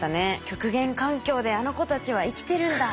極限環境であの子たちは生きてるんだ。